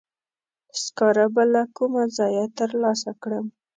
سکاره به له کومه ځایه تر لاسه کړم؟